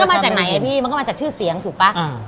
มาจากไหนอ่ะพี่มันก็มาจากชื่อเสียงถูกป่ะ